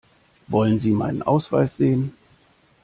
Wollen Sie meinen Ausweis sehen?